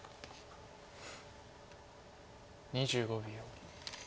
２５秒。